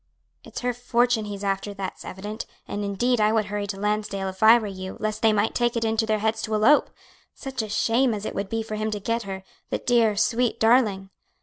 "It's her fortune he's after, that's evident, and indeed I would hurry to Lansdale, if I were you, lest they might take it into their heads to elope. Such a shame as it would be for him to get her the dear, sweet darling!"